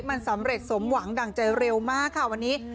มันสำเร็จสมหวังดั่งใจเร็วมากค่ะวันนี้